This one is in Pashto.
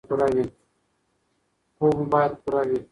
خوب مو باید پوره وي.